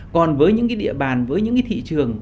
còn với những cái địa bàn với những cái thị trường